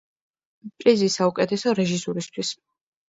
პრიზი საუკეთესო რეჟისურისთვის.